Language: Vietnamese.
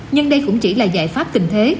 nhưng đây cũng chỉ là giải pháp tình thế